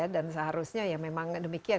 dan seharusnya memang demikian